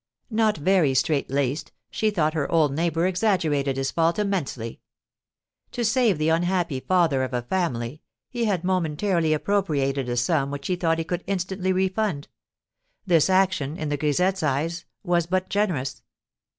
Not very strait laced, she thought her old neighbour exaggerated his fault immensely. To save the unhappy father of a family, he had momentarily appropriated a sum which he thought he could instantly refund. This action, in the grisette's eyes, was but generous.